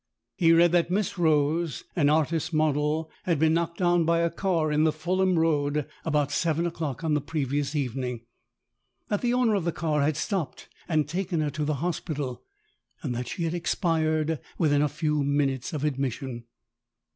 He read that Miss Rose, an artist's model, had been knocked down by a car in the Fulham Road about seven o'clock on the previous evening ; that the owner of the car had stopped and taken her to the hospital, and that she had expired within a few minutes of admission.